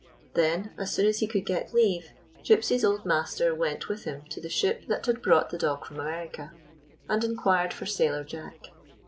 Then, as soon as he could get leave, Gypsy's old master went with him to the ship that had brought the dog from America, and inquired for Sailor Jack.